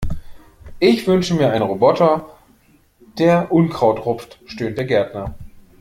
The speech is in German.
"Ich wünsche mir einen Roboter, der Unkraut rupft", stöhnt der Gärtner.